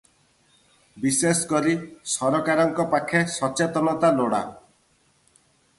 ବିଶେଷ କରି ସରକାରଙ୍କ ପାଖେ ସଚେତନତା ଲୋଡ଼ା ।